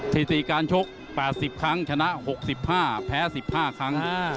ถิติการชก๘๐ครั้งชนะ๖๕แพ้๑๕ครั้ง